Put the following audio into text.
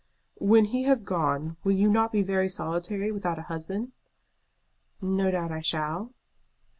"When he has gone will you not be very solitary without a husband?" "No doubt I shall."